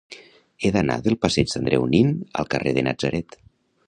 He d'anar del passeig d'Andreu Nin al carrer de Natzaret.